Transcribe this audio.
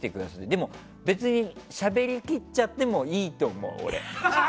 でも、別にしゃべり切っちゃってもいいと思う、俺。